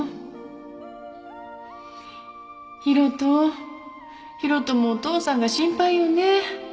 啓人啓人もお父さんが心配よね？